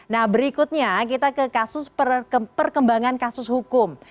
nah berikutnya kita ke kasus perkembangan kasus hukum